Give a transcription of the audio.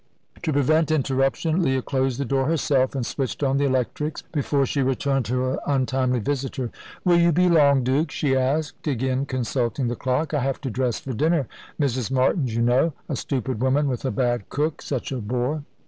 To prevent interruption, Leah closed the door herself, and switched on the electrics, before she returned to her untimely visitor. "Will you be long, Duke?" she asked, again consulting the clock. "I have to dress for dinner. Mrs. Martin's, you know: a stupid woman with a bad cook. Such a bore!"